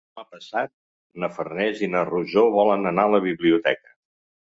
Demà passat na Farners i na Rosó volen anar a la biblioteca.